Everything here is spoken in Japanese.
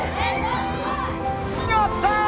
やった！